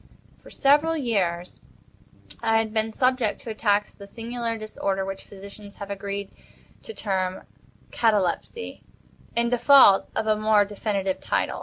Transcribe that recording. For several years I had been subject to attacks of the singular disorder which physicians have agreed to term catalepsy, in default of a more definitive title.